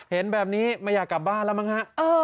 เห็นแบบนี้ไม่อยากกลับบ้านแล้วมั้งฮะ